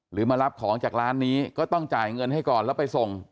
มารับของจากร้านนี้ก็ต้องจ่ายเงินให้ก่อนแล้วไปส่ง